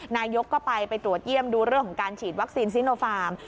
นายกก็ไปไปตรวจเยี่ยมดูเรื่องของการฉีดวัคซีนซิโนฟาร์ม